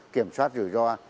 kiểm soát rủi ro